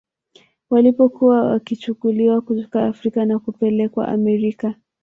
Walipokuwa wakichukuliwa kutoka Afrika na kupelekwa Amerika